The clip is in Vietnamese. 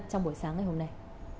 trong buổi sáng ngày hôm nay